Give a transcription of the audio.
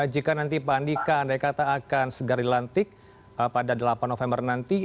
jika nanti pak andika andai kata akan segera dilantik pada delapan november nanti